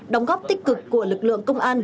đóng góp tích cực của lực lượng công an